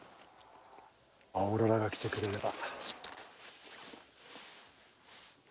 オーロラが来てくれれば。